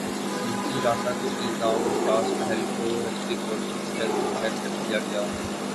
جنسی ہراساں کے الزامات وکاس بہل کو ہریتھک روشن کی فلم سے باہر کردیا گیا